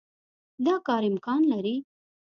دا کار امکان لري.